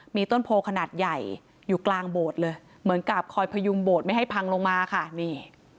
มีต้นโพขนาดใหญ่อยู่กลางโบสถ์เลยเหมือนกับคอยพยุงโบสถไม่ให้พังลงมาค่ะนี่